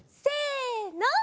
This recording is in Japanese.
せの！